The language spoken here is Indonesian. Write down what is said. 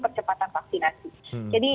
percepatan vaksinasi jadi